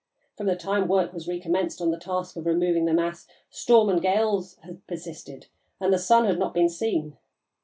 From the time work was recommenced on the task of removing the mass, storms and gales had persisted and the sun had not been seen.